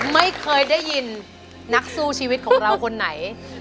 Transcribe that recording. ไม่เคยได้ยินนักสู้ชีวิตของเราคนไหน